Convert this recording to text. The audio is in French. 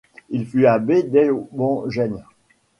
Il fut abbé d'Ellwangen.